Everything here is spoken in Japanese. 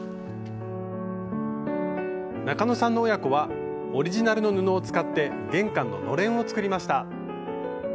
中野さんの親子はオリジナルの布を使って玄関の「のれん」を作りました。